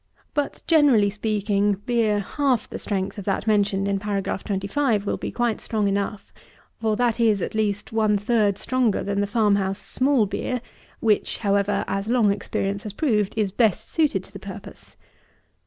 But, generally speaking, beer half the strength of that mentioned in paragraph 25 will be quite strong enough; for that is, at least, one third stronger than the farm house "small beer," which, however, as long experience has proved, is best suited to the purpose.